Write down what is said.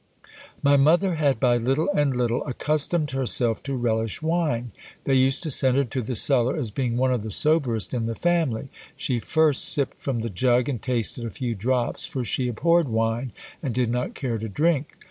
"My mother had by little and little accustomed herself to relish wine. They used to send her to the cellar, as being one of the soberest in the family: she first sipped from the jug and tasted a few drops, for she abhorred wine, and did not care to drink.